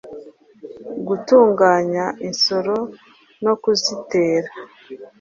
gutunganya insoro no kuzitera,